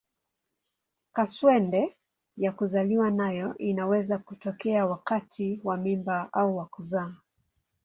Kaswende ya kuzaliwa nayo inaweza kutokea wakati wa mimba au wa kuzaa.